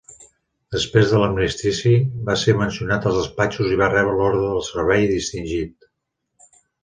Després de l'Armistici, va ser mencionat als Despatxos i va rebre l'Orde del Servei Distingit.